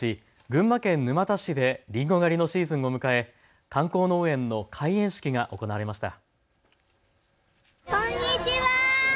群馬県沼田市でりんご狩りのシーズンを迎え観光農園の開園式が行われました。